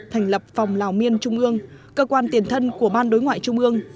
thành lập phòng lào miên trung ương cơ quan tiền thân của ban đối ngoại trung ương